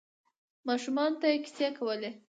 ماشومانو ته یې کیسې کولې.